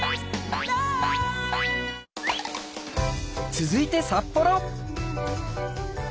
続いて札幌。